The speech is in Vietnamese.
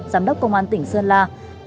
giám đốc công an tỉnh sơn la